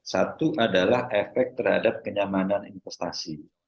satu adalah efek terhadap kenyamanan investasi